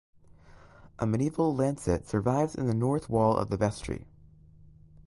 A medieval lancet survives in the north wall of the vestry.